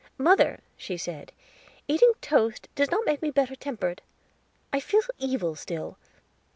"Mother," she said, "eating toast does not make me better tempered; I feel evil still.